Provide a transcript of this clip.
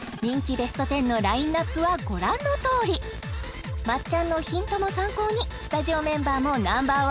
ベスト１０のラインナップはご覧のとおりまっちゃんのヒントも参考にスタジオメンバーもＮｏ．１